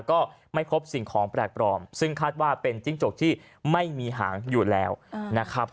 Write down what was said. ก็ไม่พบสิ่งของแปลกปลอมซึ่งคาดว่าเป็นจิ้งจกที่ไม่มีหางอยู่แล้วนะครับ